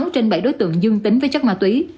sáu trên bảy đối tượng dương tính với chất ma túy